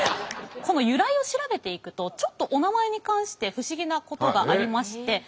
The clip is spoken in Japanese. この由来を調べていくとちょっとおなまえに関して不思議なことがありまして。